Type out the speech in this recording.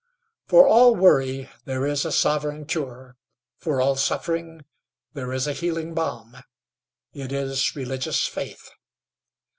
For all worry there is a sovereign cure, for all suffering there is a healing balm; it is religious faith.